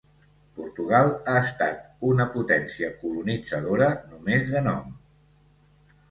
Portugal ha estat una potència colonitzadora només de nom.